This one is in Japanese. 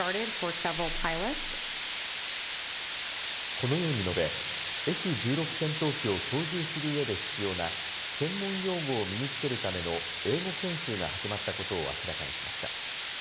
このように述べ、Ｆ１６戦闘機を操縦するうえで必要な専門用語を身につけるための英語研修が始まったことを明らかにしました。